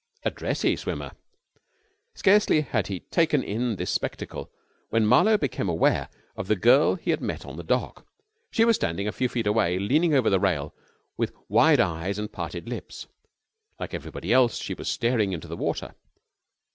A dressy swimmer. Scarcely had he taken in this spectacle when Marlowe became aware of the girl he had met on the dock. She was standing a few feet away leaning out over the rail with wide eyes and parted lips. Like everybody else she was staring into the water.